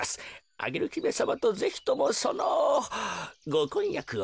アゲルひめさまとぜひともそのごこんやくを。